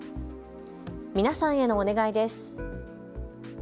皆さんへのお願いです。